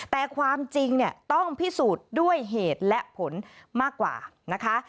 แต่ความจริงเนี่ยต้องพิสูจน์ด้วยเหตุและผลมากกว่านะคะ